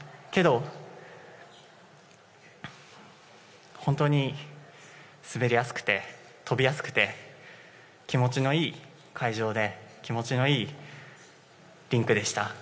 けど、本当に滑りやすくて跳びやすくて気持ちのいい会場で気持ちのいいリンクでした。